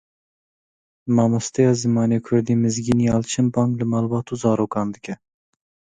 Mamosteya Zimanê kurdî Mizgîn Yalçin bang li malbat û zarokan dike.